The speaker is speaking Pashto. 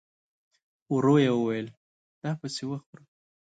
ورو يې وويل: دا پسې وخوره!